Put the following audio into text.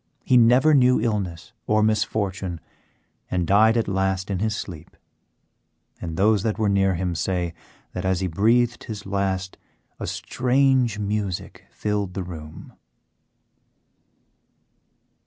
He never knew illness or misfortune, and died at last in his sleep; and those that were near him say that as he breathed his last a strange music filled the room.